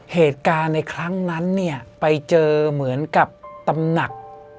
เหตุการณ์ในครั้งนั้นเนี่ยไปเจอเหมือนกับตำหนัก